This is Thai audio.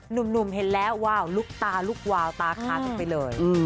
หนุ่มเห็นแล้วว้าวลุกตาลุกวาวตาคากันไปเลย